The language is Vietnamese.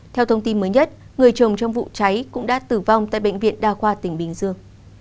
theo thông tin mới nhất người chồng trong vụ cháy cũng đã tử vong tại bệnh viện đa khoa tỉnh bình dương